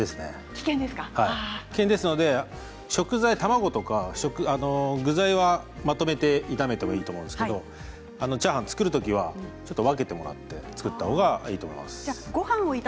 危険ですので食材、卵とか具材はまとめて炒めていいと思いますけどチャーハンを作るときは分けてもらって作ったほうがいいと思います。